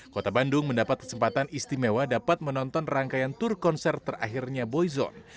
kota bandung mendapat kesempatan istimewa dapat menonton rangkaian tur konser terakhirnya boyzon